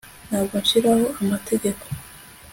Ntabwo nshiraho amategeko